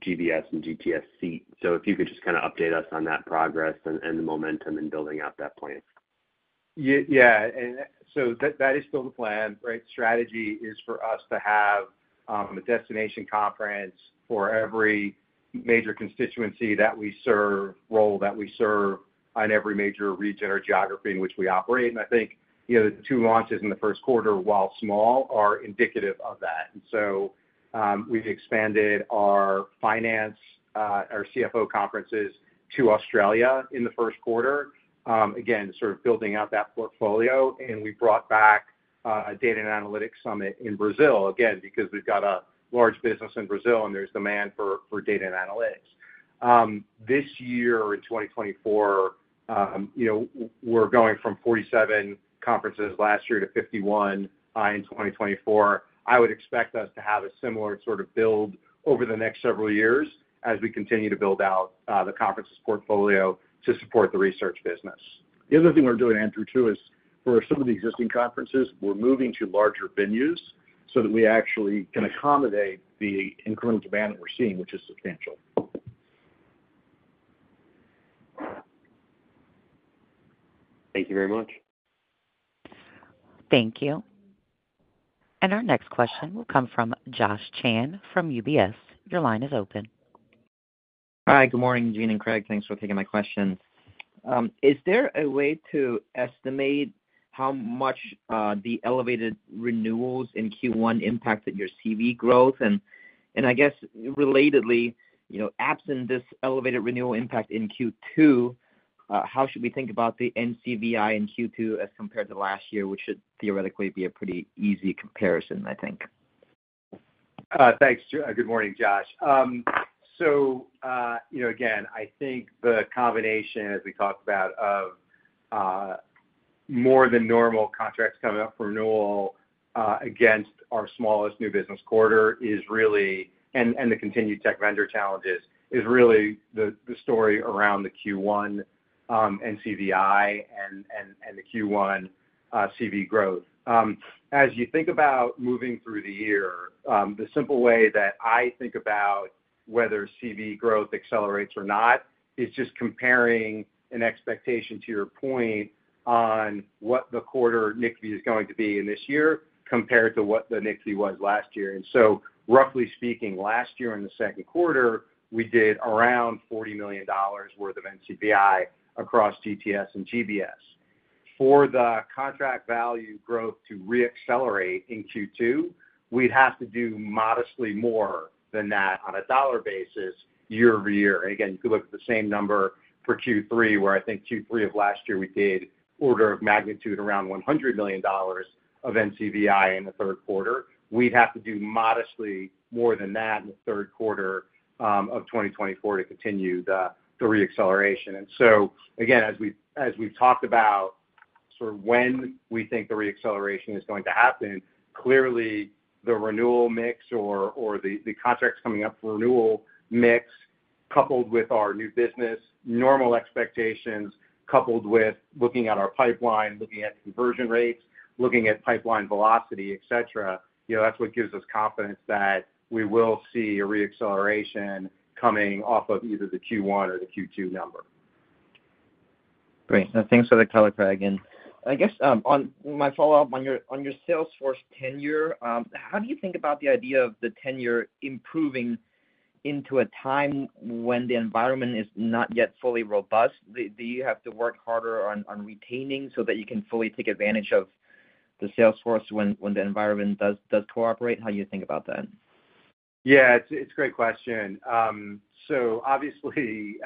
GBS and GTS seat. So if you could just kind of update us on that progress and the momentum in building out that plan. Yeah. And so that is still the plan, right? Strategy is for us to have a destination conference for every major constituency that we serve, role that we serve in every major region or geography in which we operate. I think the two launches in the first quarter, while small, are indicative of that. And so we expanded our finance, our CFO conferences to Australia in the first quarter, again, sort of building out that portfolio. And we brought back a data and analytics summit in Brazil, again, because we've got a large business in Brazil, and there's demand for data and analytics. This year in 2024, we're going from 47 conferences last year to 51 in 2024. I would expect us to have a similar sort of build over the next several years as we continue to build out the conferences portfolio to support the research business. The other thing we're doing, Andrew, too, is for some of the existing conferences, we're moving to larger venues so that we actually can accommodate the incremental demand that we're seeing, which is substantial. Thank you very much. Thank you. And our next question will come from Josh Chan from UBS. Your line is open. Hi. Good morning, Gene and Craig. Thanks for taking my question. Is there a way to estimate how much the elevated renewals in Q1 impacted your CV growth? And I guess relatedly, absent this elevated renewal impact in Q2, how should we think about the NCVI in Q2 as compared to last year, which should theoretically be a pretty easy comparison, I think? Thanks. Good morning, Josh. So again, I think the combination, as we talked about, of more than normal contracts coming up for renewal against our smallest new business quarter is really, and the continued tech vendor challenges is really the story around the Q1 NCVI and the Q1 CV growth. As you think about moving through the year, the simple way that I think about whether CV growth accelerates or not is just comparing an expectation to your point on what the quarter NCVI is going to be in this year compared to what the NCVI was last year. And so roughly speaking, last year in the second quarter, we did around $40 million worth of NCVI across GTS and GBS. For the contract value growth to reaccelerate in Q2, we'd have to do modestly more than that on a dollar basis year-over-year. And again, you could look at the same number for Q3, where I think Q3 of last year, we did order of magnitude around $100 million of NCVI in the third quarter. We'd have to do modestly more than that in the third quarter of 2024 to continue the reacceleration. And so again, as we've talked about sort of when we think the reacceleration is going to happen, clearly, the renewal mix or the contracts coming up for renewal mix coupled with our new business, normal expectations coupled with looking at our pipeline, looking at conversion rates, looking at pipeline velocity, etc., that's what gives us confidence that we will see a reacceleration coming off of either the Q1 or the Q2 number. Great. Thanks for that color, Craig. I guess my follow-up on your sales force tenure, how do you think about the idea of the tenure improving into a time when the environment is not yet fully robust? Do you have to work harder on retaining so that you can fully take advantage of the sales force when the environment does cooperate? How do you think about that? Yeah. It's a great question. So obviously,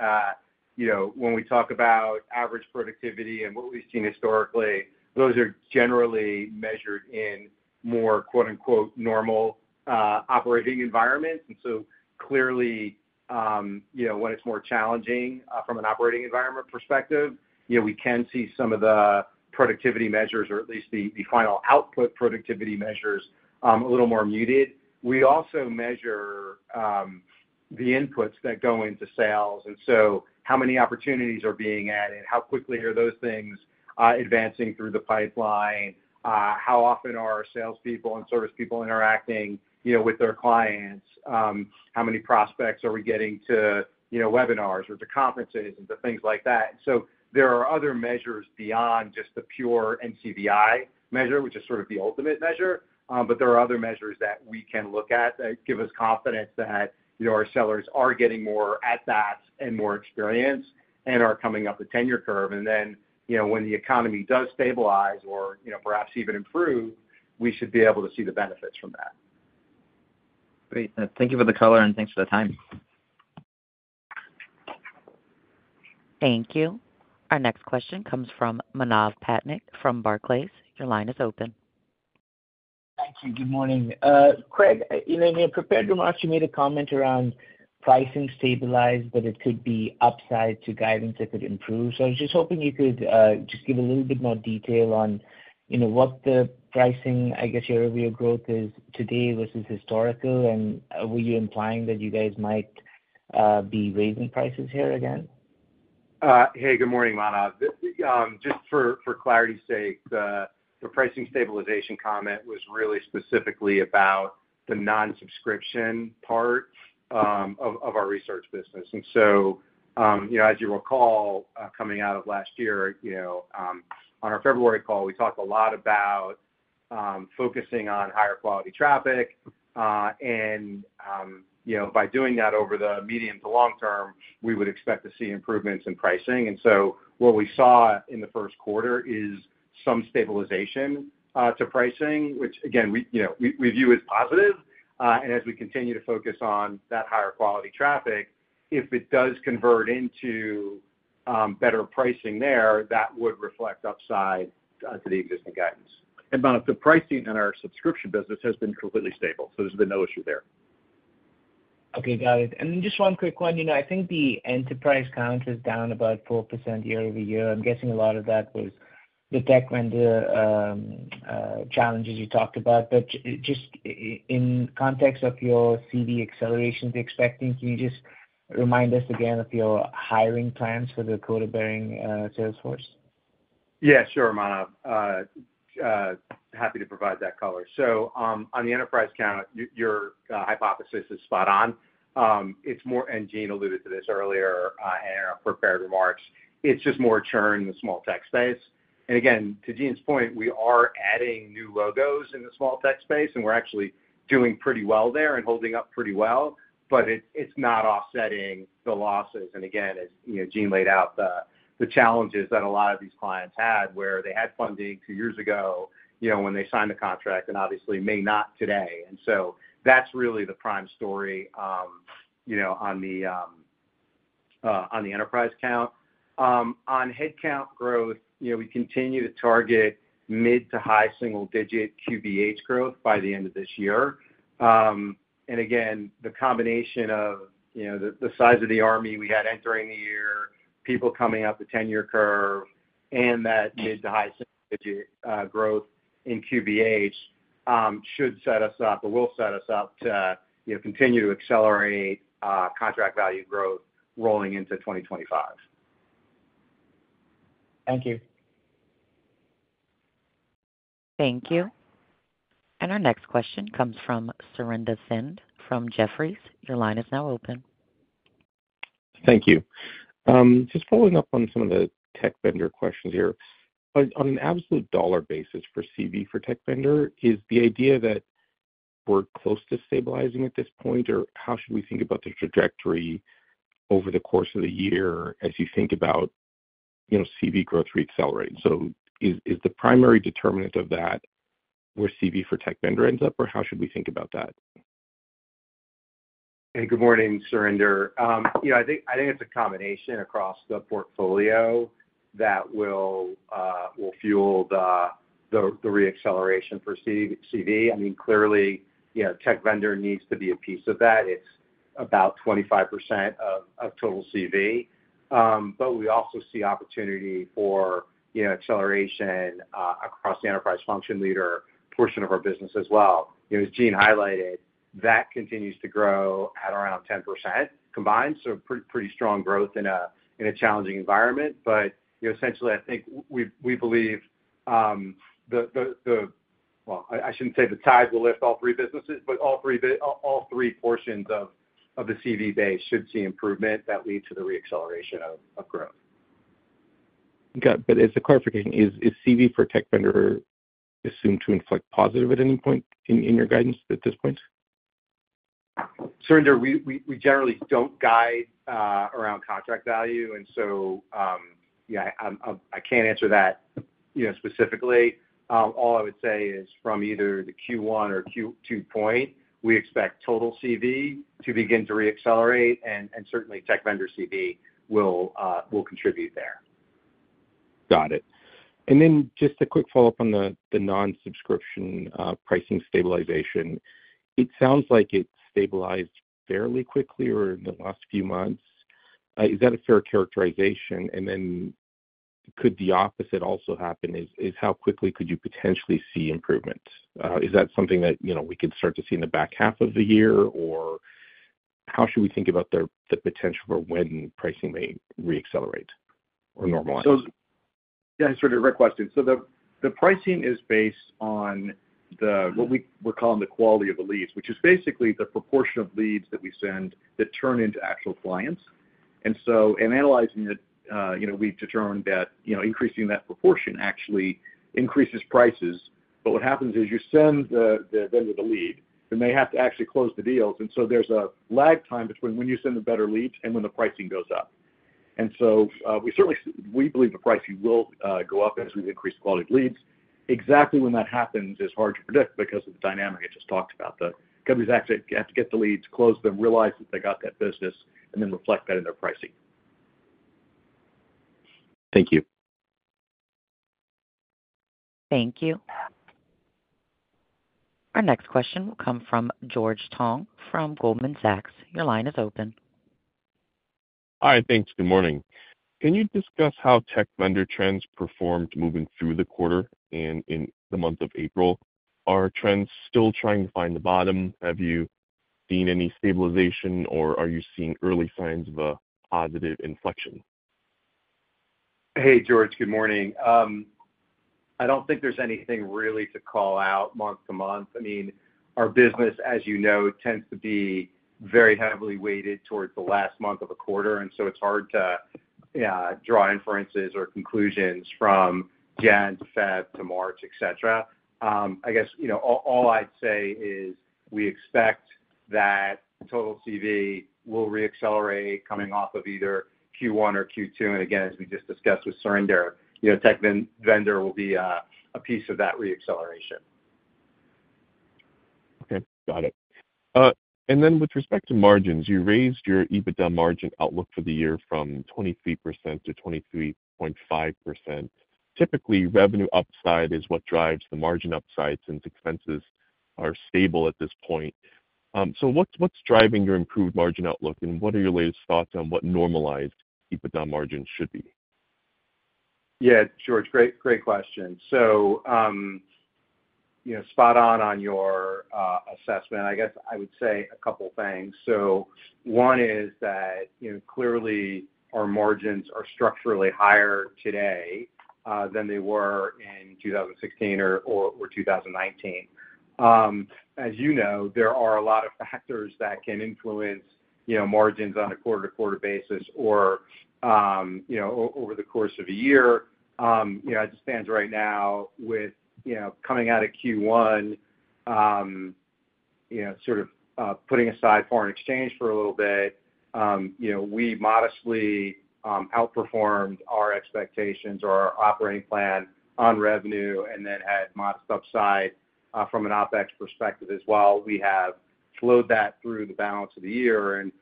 when we talk about average productivity and what we've seen historically, those are generally measured in more "normal" operating environments. And so clearly, when it's more challenging from an operating environment perspective, we can see some of the productivity measures, or at least the final output productivity measures, a little more muted. We also measure the inputs that go into sales. And so how many opportunities are being added? How quickly are those things advancing through the pipeline? How often are salespeople and service people interacting with their clients? How many prospects are we getting to webinars or to conferences and to things like that? And so there are other measures beyond just the pure NCVI measure, which is sort of the ultimate measure. There are other measures that we can look at that give us confidence that our sellers are getting more at-bats and more experience and are coming up the tenure curve. Then when the economy does stabilize or perhaps even improve, we should be able to see the benefits from that. Great. Thank you for the color, and thanks for the time. Thank you. Our next question comes from Manav Patnaik from Barclays. Your line is open. Thank you. Good morning. Craig, you may have prepared your remarks to make a comment around pricing stabilized, but it could be upside to guidance if it improves. So I was just hoping you could just give a little bit more detail on what the pricing, I guess, your overview of growth is today versus historical? And were you implying that you guys might be raising prices here again? Hey, good morning, Manav. Just for clarity's sake, the pricing stabilization comment was really specifically about the non-subscription part of our research business. And so as you recall, coming out of last year, on our February call, we talked a lot about focusing on higher quality traffic. And by doing that over the medium to long term, we would expect to see improvements in pricing. And so what we saw in the first quarter is some stabilization to pricing, which, again, we view as positive. And as we continue to focus on that higher quality traffic, if it does convert into better pricing there, that would reflect upside to the existing guidance. Manav, the pricing in our subscription business has been completely stable. There's been no issue there. Okay. Got it. And just one quick one. I think the enterprise count is down about 4% year-over-year. I'm guessing a lot of that was the tech vendor challenges you talked about. But just in context of your CV accelerations expecting, can you just remind us again of your hiring plans for the quota-bearing sales force? Yeah. Sure, Manav. Happy to provide that color. So on the enterprise count, your hypothesis is spot on. And Gene alluded to this earlier in our prepared remarks. It's just more churn in the small tech space. And again, to Gene's point, we are adding new logos in the small tech space, and we're actually doing pretty well there and holding up pretty well. But it's not offsetting the losses. And again, as Gene laid out, the challenges that a lot of these clients had where they had funding two years ago when they signed the contract and obviously may not today. And so that's really the prime story on the enterprise count. On headcount growth, we continue to target mid- to high-single-digit QBH growth by the end of this year. And again, the combination of the size of the army we had entering the year, people coming up the tenure curve, and that mid- to high single-digit growth in QBH should set us up or will set us up to continue to accelerate contract value growth rolling into 2025. Thank you. Thank you. And our next question comes from Surinder Thind from Jefferies. Your line is now open. Thank you. Just following up on some of the tech vendor questions here. On an absolute dollar basis for CV for tech vendor, is the idea that we're close to stabilizing at this point, or how should we think about the trajectory over the course of the year as you think about CV growth reaccelerating? So is the primary determinant of that where CV for tech vendor ends up, or how should we think about that? Hey, good morning, Surinder. I think it's a combination across the portfolio that will fuel the reacceleration for CV. I mean, clearly, tech vendor needs to be a piece of that. It's about 25% of total CV. But we also see opportunity for acceleration across the enterprise function leader portion of our business as well. As Gene highlighted, that continues to grow at around 10% combined. So pretty strong growth in a challenging environment. But essentially, I think we believe the well, I shouldn't say the tides will lift all three businesses, but all three portions of the CV base should see improvement that lead to the reacceleration of growth. Got it. But as a clarification, is CV for tech vendor assumed to inflect positive at any point in your guidance at this point? Surinder, we generally don't guide around contract value. And so I can't answer that specifically. All I would say is from either the Q1 or Q2 point, we expect total CV to begin to reaccelerate, and certainly, tech vendor CV will contribute there. Got it. And then just a quick follow-up on the non-subscription pricing stabilization. It sounds like it stabilized fairly quickly in the last few months. Is that a fair characterization? And then could the opposite also happen? Is how quickly could you potentially see improvement? Is that something that we could start to see in the back half of the year, or how should we think about the potential for when pricing may reaccelerate or normalize? Yeah. It's sort of a direct question. So the pricing is based on what we're calling the quality of the leads, which is basically the proportion of leads that we send that turn into actual clients. And so in analyzing it, we've determined that increasing that proportion actually increases prices. But what happens is you send the vendor the lead, then they have to actually close the deals. And so there's a lag time between when you send the better leads and when the pricing goes up. And so we believe the pricing will go up as we've increased quality leads. Exactly when that happens is hard to predict because of the dynamic I just talked about. The companies actually have to get the leads, close them, realize that they got that business, and then reflect that in their pricing. Thank you. Thank you. Our next question will come from George Tong from Goldman Sachs. Your line is open. Hi. Thanks. Good morning. Can you discuss how tech vendor trends performed moving through the quarter in the month of April? Are trends still trying to find the bottom? Have you seen any stabilization, or are you seeing early signs of a positive inflection? Hey, George. Good morning. I don't think there's anything really to call out month-to-month. I mean, our business, as you know, tends to be very heavily weighted towards the last month of a quarter. And so it's hard to draw inferences or conclusions from Jan to Feb to March, etc. I guess all I'd say is we expect that total CV will reaccelerate coming off of either Q1 or Q2. And again, as we just discussed with Surinder, tech vendor will be a piece of that reacceleration. Okay. Got it. And then with respect to margins, you raised your EBITDA margin outlook for the year from 23%-23.5%. Typically, revenue upside is what drives the margin upside since expenses are stable at this point. So what's driving your improved margin outlook, and what are your latest thoughts on what normalized EBITDA margin should be? Yeah, George. Great question. So spot on on your assessment. I guess I would say a couple of things. So one is that clearly, our margins are structurally higher today than they were in 2016 or 2019. As you know, there are a lot of factors that can influence margins on a quarter-to-quarter basis or over the course of a year. As it stands right now, with coming out of Q1, sort of putting aside foreign exchange for a little bit, we modestly outperformed our expectations or our operating plan on revenue and then had modest upside from an OpEx perspective as well. We have flowed that through the balance of the year. And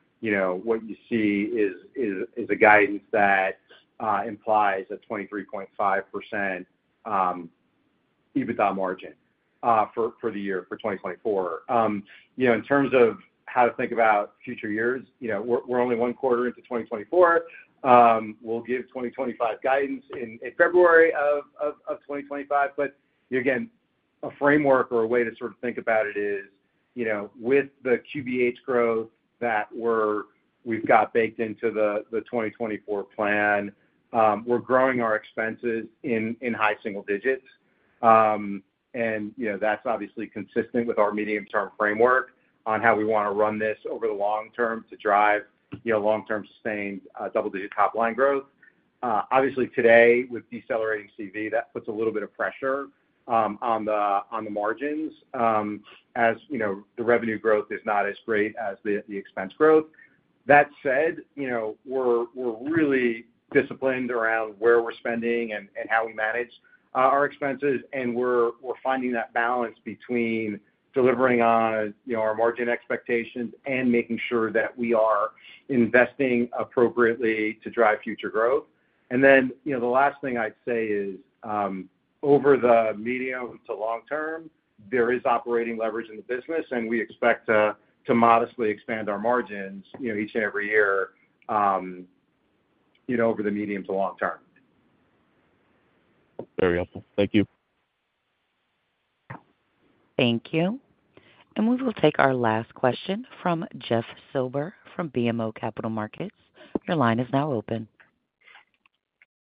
what you see is a guidance that implies a 23.5% EBITDA margin for the year, for 2024. In terms of how to think about future years, we're only one quarter into 2024. We'll give 2025 guidance in February of 2025. But again, a framework or a way to sort of think about it is with the QBH growth that we've got baked into the 2024 plan, we're growing our expenses in high single digits. And that's obviously consistent with our medium-term framework on how we want to run this over the long term to drive long-term sustained double-digit top-line growth. Obviously, today, with decelerating CV, that puts a little bit of pressure on the margins as the revenue growth is not as great as the expense growth. That said, we're really disciplined around where we're spending and how we manage our expenses. And we're finding that balance between delivering on our margin expectations and making sure that we are investing appropriately to drive future growth. And then the last thing I'd say is over the medium to long term, there is operating leverage in the business, and we expect to modestly expand our margins each and every year over the medium to long term. Very helpful. Thank you. Thank you. We will take our last question from Jeff Silber from BMO Capital Markets. Your line is now open.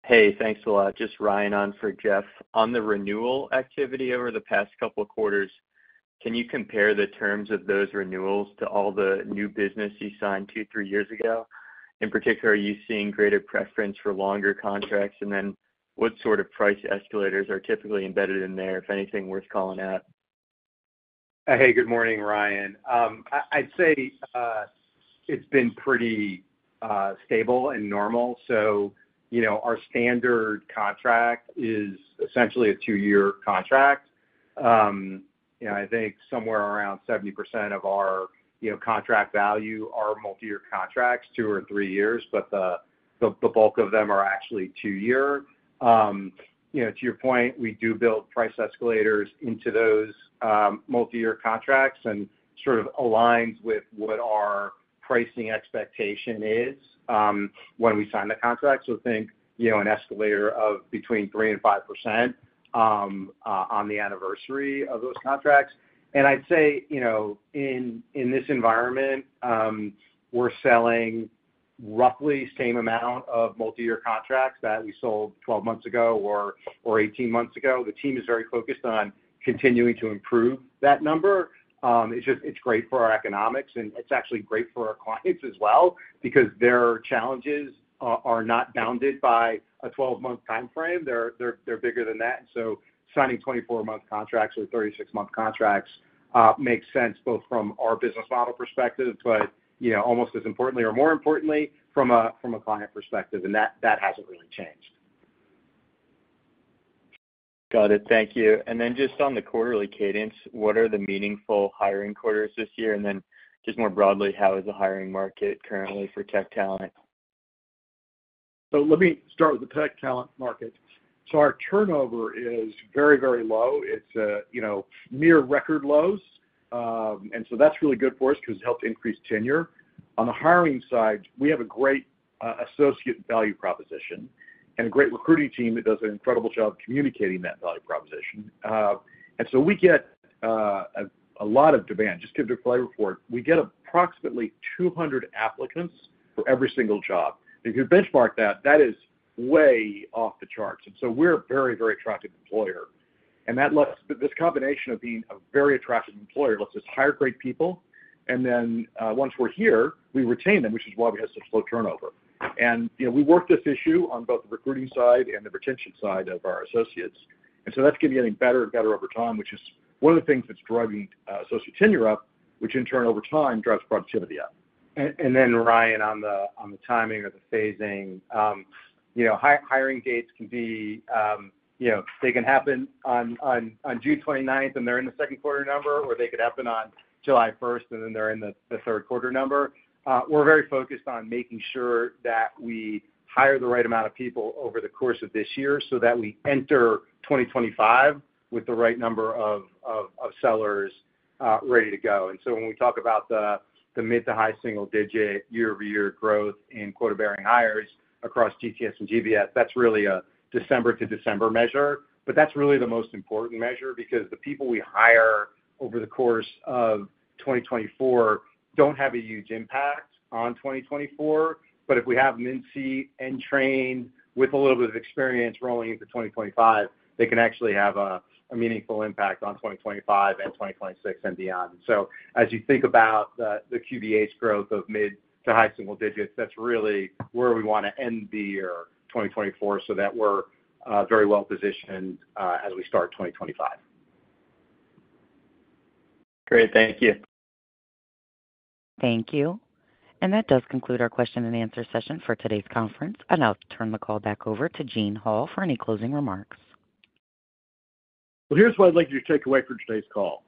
Hey. Thanks a lot. Just Ryan on for Jeff. On the renewal activity over the past couple of quarters, can you compare the terms of those renewals to all the new business you signed two, three years ago? In particular, are you seeing greater preference for longer contracts? And then what sort of price escalators are typically embedded in there, if anything, worth calling out? Hey, good morning, Ryan. I'd say it's been pretty stable and normal. Our standard contract is essentially a two-year contract. I think somewhere around 70% of our contract value are multi-year contracts, two or three years, but the bulk of them are actually two-year. To your point, we do build price escalators into those multi-year contracts and sort of aligns with what our pricing expectation is when we sign the contract. So think an escalator of between 3%-5% on the anniversary of those contracts. I'd say in this environment, we're selling roughly the same amount of multi-year contracts that we sold 12 months ago or 18 months ago. The team is very focused on continuing to improve that number. It's great for our economics, and it's actually great for our clients as well because their challenges are not bounded by a 12-month timeframe. They're bigger than that. And so signing 24-month contracts or 36-month contracts makes sense both from our business model perspective, but almost as importantly or more importantly, from a client perspective. And that hasn't really changed. Got it. Thank you. And then just on the quarterly cadence, what are the meaningful hiring quarters this year? And then just more broadly, how is the hiring market currently for tech talent? Let me start with the tech talent market. Our turnover is very, very low. It's near record lows. That's really good for us because it helped increase tenure. On the hiring side, we have a great associate value proposition and a great recruiting team that does an incredible job communicating that value proposition. We get a lot of demand. Just to give you a flavor for it, we get approximately 200 applicants for every single job. If you benchmark that, that is way off the charts. We're a very, very attractive employer. This combination of being a very attractive employer lets us hire great people. Once we're here, we retain them, which is why we have such low turnover. We work this issue on both the recruiting side and the retention side of our associates. And so that's going to be getting better and better over time, which is one of the things that's driving associate tenure up, which in turn, over time, drives productivity up. And then, Ryan, on the timing or the phasing, hiring dates can be. They can happen on June 29th, and they're in the second quarter number, or they could happen on July 1st, and then they're in the third quarter number. We're very focused on making sure that we hire the right amount of people over the course of this year so that we enter 2025 with the right number of sellers ready to go. And so when we talk about the mid- to high single-digit year-over-year growth in quota-bearing hires across GTS and GBS, that's really a December-to-December measure. But that's really the most important measure because the people we hire over the course of 2024 don't have a huge impact on 2024. But if we have hires trained with a little bit of experience rolling into 2025, they can actually have a meaningful impact on 2025 and 2026 and beyond. So as you think about the QBH growth of mid- to high-single digits, that's really where we want to end the year 2024 so that we're very well positioned as we start 2025. Great. Thank you. Thank you. That does conclude our question-and-answer session for today's conference. I'll turn the call back over to Gene Hall for any closing remarks. Well, here's what I'd like you to take away from today's call.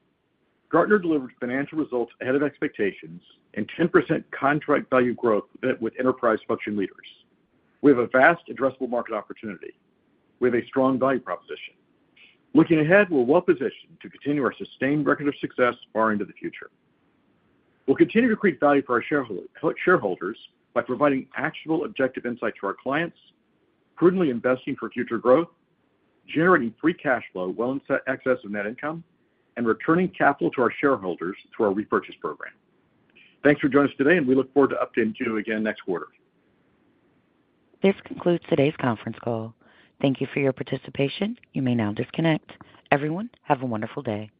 Gartner delivers financial results ahead of expectations and 10% contract value growth with enterprise function leaders. We have a vast addressable market opportunity. We have a strong value proposition. Looking ahead, we're well positioned to continue our sustained record of success far into the future. We'll continue to create value for our shareholders by providing actionable, objective insight to our clients, prudently investing for future growth, generating free cash flow well in excess of net income, and returning capital to our shareholders through our repurchase program. Thanks for joining us today, and we look forward to updating you again next quarter. This concludes today's conference call. Thank you for your participation. You may now disconnect. Everyone, have a wonderful day.